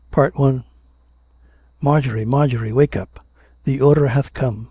CHAPTER IX "Marjorie! Marjorie! Wake up! the order hath come.